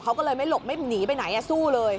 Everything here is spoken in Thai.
เขาก็เลยไม่หลบไม่หนีไปไหนสู้เลย